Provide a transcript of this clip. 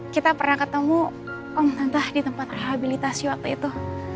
kita pernah ketemu om tante di tempat rehabilitasi waktu itu